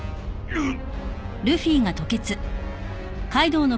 うっ！